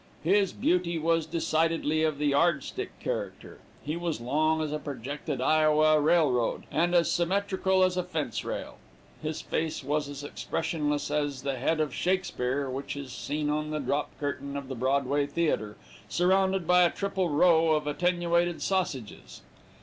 His beauty was decidedly of the yard stick character. He was long as a projected Iowa railroad, and as symmetrical as a fence rail; his face was as expressionless as the head of Shakspeare which is seen on the drop curtain of the Broadway Theatre, surrounded by a triple row of attenuated sausages.